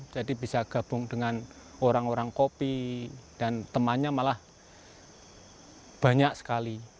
jadi bisa gabung dengan orang orang kopi dan temannya malah banyak sekali